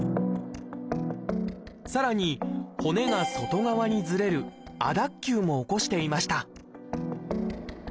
さらに骨が外側にずれる亜脱臼も起こしていました。